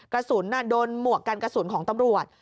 กระสุนโดนหมวกกันกระสุนของตำรวจ